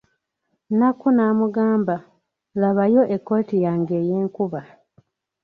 Nakku n'amugamba, labayo ekkooti yange ey'enkuba.